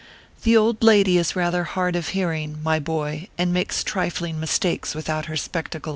The old lady is rather hard of hearing, my boy, and makes trifling . mistakes without her spectacles.